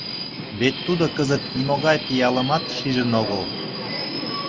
Вет тудо кызыт нимогай пиалымат шижын огыл.